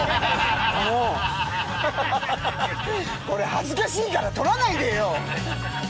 恥ずかしいから撮らないでよ。